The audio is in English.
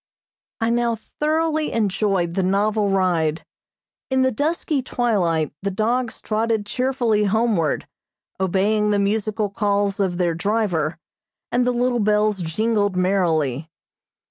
I now thoroughly enjoyed the novel ride. In the dusky twilight the dogs trotted cheerfully homeward, obeying the musical calls of their driver, and the little bells jingled merrily.